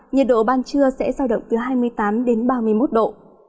nhiệt độ ban trưa sẽ giao động từ hai mươi tám đến ba mươi một độ